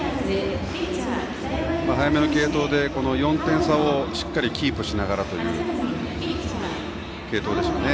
早めの継投で４点差をしっかりキープしながらという継投でしょうね。